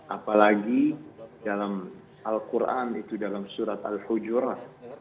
apalagi dalam al qur'an itu dalam surat al hujurat